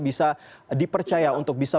bisa dipercaya untuk bisa